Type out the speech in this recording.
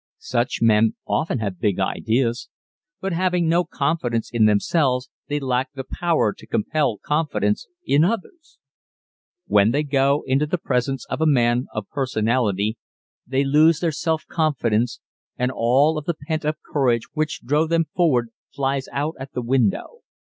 _Such men often have big ideas, but having no confidence in themselves they lack the power to compel confidence in others._ When they go into the presence of a man of personality they lose their self confidence and all of the pent up courage which drove them forward flies out at the window.